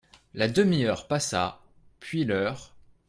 La demi-heure passa, puis l'heure.